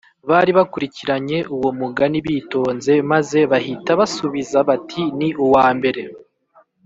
bari bakurikiranye uwo mugani bitonze, maze bahita basubiza bati: ‘ni uwa mbere